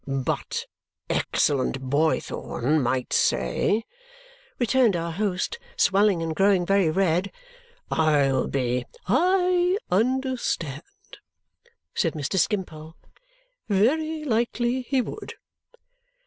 '" "But excellent Boythorn might say," returned our host, swelling and growing very red, "I'll be " "I understand," said Mr. Skimpole. "Very likely he would."